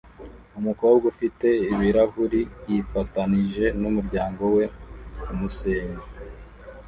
Umukobwa ufite ibirahuri yifatanije numuryango we kumusenyi